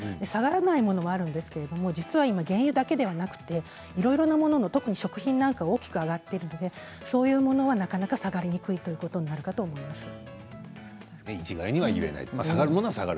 下がらないものもあるんですが実は原油だけではなくいろいろなもの特に食品が大きく上がっているのでそういうものは、なかなか下がりにくいということになるかと思います。